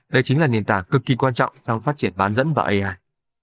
đây chính là nền tảng cực kỳ quan trọng trong phát triển bán dẫn và ai